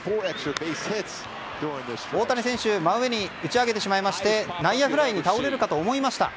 大谷選手真上に打ち上げてしまい内野フライに倒れるかと思いました。